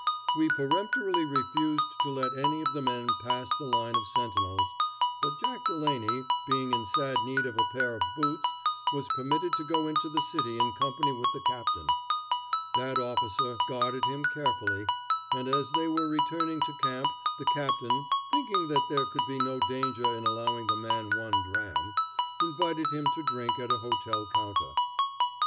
We peremptorily refused to let any of the men pass the line of sentinels, but Jack Delaney, being in sad need of a pair of boots, was permitted to go into the city in company with the captain. That officer guarded him carefully, and as they were returning to camp the captain, thinking that there could be no danger in allowing the man one dram, invited him to drink at a hotel counter.